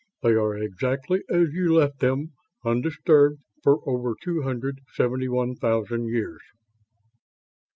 They are exactly as you left them. Undisturbed for over two hundred seventy one thousand years."